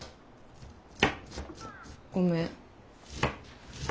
ごめん。